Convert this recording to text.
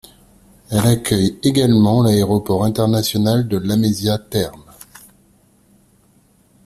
Elle accueille également l'Aéroport international de Lamezia Terme.